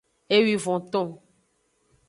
Ewivonton.